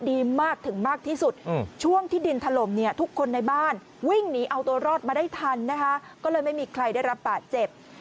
วิ่งหนีเอาตัวรอดมาได้ทันนะคะก็เลยไม่มีใครได้รับบาดเจ็บ